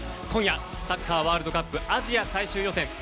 今夜、サッカーワールドカップアジア最終予選。